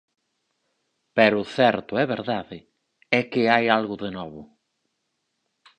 Pero o certo e verdade é que algo hai de novo.